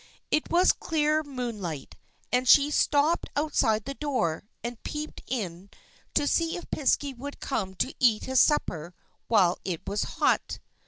It was clear moonlight, and she stopped outside the door, and peeped in to see if the Piskey would come to eat his supper while it was hot.